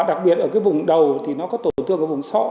ở cái vùng đầu thì nó có tổn thương ở vùng sọ